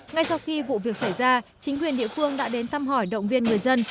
ngay sau khi vụ việc xảy ra chính quyền địa phương đã đến thăm hỏi động viên người dân